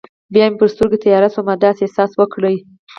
بیا مې پر سترګو تیاره شوه، ما داسې احساس وکړل.